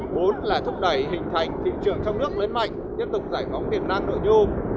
bốn là thúc đẩy hình thành thị trường trong nước lớn mạnh tiếp tục giải phóng tiềm năng nội